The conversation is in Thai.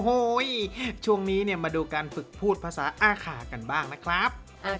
โอ้โหช่วงนี้เนี่ยมาดูการฝึกพูดภาษาอาขากันบ้างนะครับ